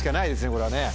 これはね。